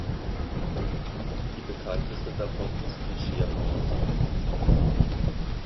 Die bekannteste davon ist die „Sherborne School“.